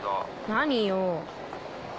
何よ？